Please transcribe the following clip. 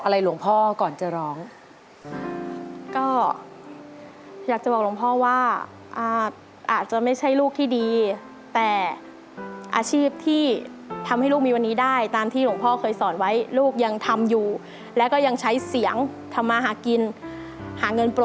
แสงหัวหนูชวนให้คนทางในใกล้